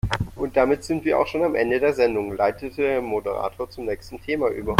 Und damit sind wir auch schon am Ende der Sendung, leitete der Moderator zum nächsten Thema über.